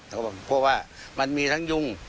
เพราะว่ามันมีทั้งยุ่ง